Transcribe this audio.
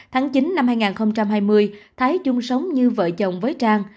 tháng chín năm hai nghìn hai mươi thái chung sống như vợ chồng với trang